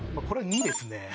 これは２ですね